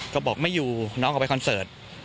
ก็บอกไม่อยู่น้องออกไปคอนเสิร์ต